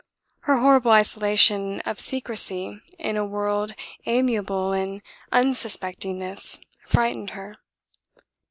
Her horrible isolation of secrecy in a world amiable in unsuspectingness frightened her.